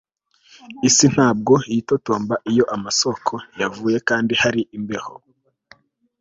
isi ntabwo yitotomba iyo amasoko yavuye kandi hari imbeho